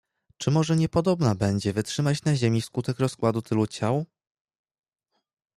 "Czy może niepodobna będzie wytrzymać na ziemi wskutek rozkładu tylu ciał?"